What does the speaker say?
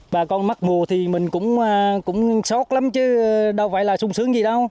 bà con mắc mùa thì mình cũng sốt lắm chứ đâu phải là sung sướng gì đâu